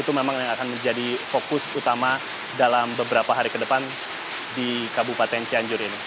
itu memang yang akan menjadi fokus utama dalam beberapa hari ke depan di kabupaten cianjur ini